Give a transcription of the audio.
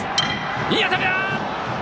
いい当たりだ！